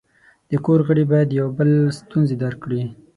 د کور غړي باید د یو بل ستونزې درک کړي.